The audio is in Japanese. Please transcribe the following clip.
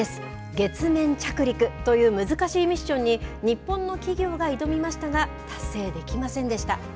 月面着陸という難しいミッションに、日本の企業が挑みましたが、達成できませんでした。